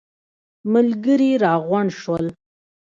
ملګري راغونډ شول.